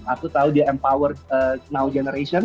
aku tahu dia empower now generation